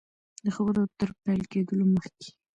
د خبرو تر پیل کېدلو مخکي.